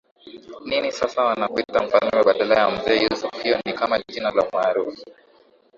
nini sasa wanakuita mfalme badala ya Mzee Yusuf Hiyo ni kama jina la umaarufu